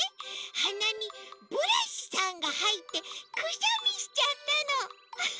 はなにブラシさんがはいってくしゃみしちゃったのフフフ。